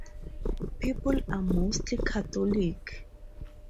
People are mostly Catholic.